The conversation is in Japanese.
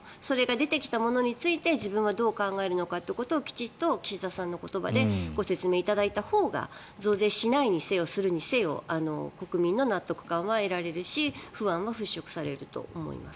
出てきたものについて自分がどう考えるかをきちっと岸田さんの言葉でご説明いただいたほうが増税しないにせよ、するにせよ国民の納得感は得られるし不安は払しょくされると思います。